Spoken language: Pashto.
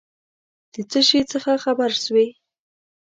د څه شي څخه خبر سوې ؟